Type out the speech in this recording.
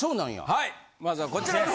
はいまずはこちらを。